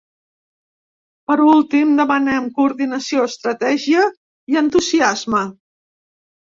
Per últim, demanen coordinació, estratègia i entusiasme.